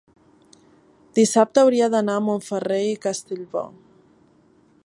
dissabte hauria d'anar a Montferrer i Castellbò.